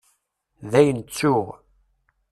Dayen ttuɣ.